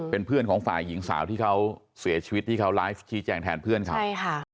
เป็นเพื่อนของฝ่ายหญิงสาวที่เขาเสียชีวิตที่เขาไลฟ์ชี้แจงแทนเพื่อนเขาใช่ค่ะ